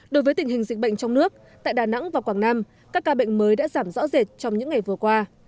đối với tình hình dịch bệnh trong nước tại đà nẵng và quảng nam các ca bệnh mới đã giảm rõ rệt trong những ngày vừa qua